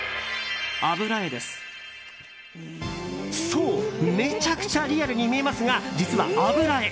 そう、めちゃくちゃリアルに見えますが実は油絵。